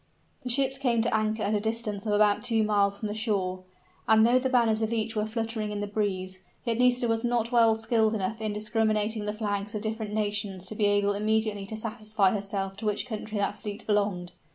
The ships came to anchor at a distance of about two miles from the shore: and though the banners of each were fluttering in the breeze, yet Nisida was not well skilled enough in discriminating the flags of different nations to be able immediately to satisfy herself to which country that fleet belonged.